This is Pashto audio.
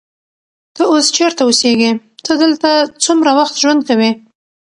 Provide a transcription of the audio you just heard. ته اوس چیرته اوسېږې؟ ته دلته څومره وخت ژوند کوې؟